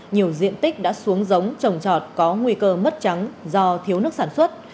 nhiều diện tích đã xuống giống trồng trọt có nguy cơ mất trắng do thiếu nước sản xuất